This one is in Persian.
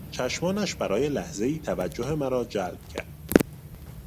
چشمانش برای لحظهای توجه مرا جلب کرد.